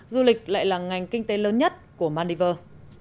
du lịch lại là ngành kinh tế lớn nhất của maldives